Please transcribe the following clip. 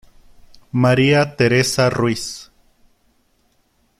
María Teresa Ruiz..